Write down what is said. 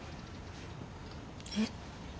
えっ。